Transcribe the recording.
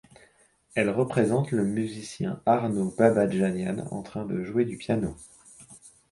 Elle représente le musicien Arno Babadjanian en train de jouer du piano.